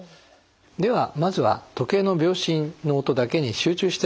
ではまずは時計の秒針の音だけに集中して聴きましょう。